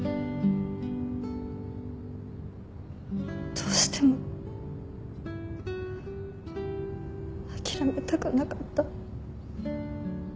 どうしても諦めたくなかった。